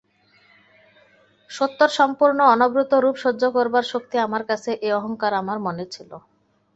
সত্যের সম্পূর্ণ অনাবৃত রূপ সহ্য করবার শক্তি আমার আছে এই অহংকার আমার মনে ছিল।